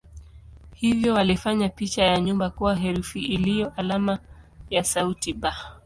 Hivyo walifanya picha ya nyumba kuwa herufi iliyo alama ya sauti "b".